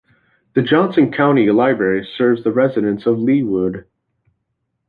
The Johnson County Library serves the residents of Leawood.